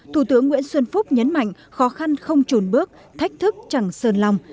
thủ tướng nguyễn xuân phúc nhấn mạnh khó khăn không trùn bước thách thức chẳng sờn lòng